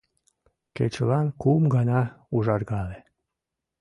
Кечылан кум гана ужаргале;